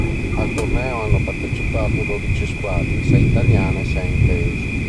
Al torneo hanno partecipato dodici squadre, sei italiane e sei inglesi.